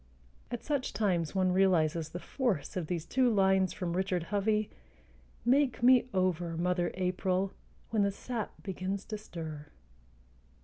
At such times one realizes the force of these two lines from Richard Hovey: Make me over, Mother April, When the sap begins to stir.